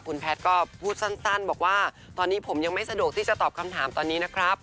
คุณแพทย์ก็พูดสั้นบอกว่าตอนนี้ผมยังไม่สะดวกที่จะตอบคำถามตอนนี้นะครับ